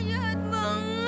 jangan lari lu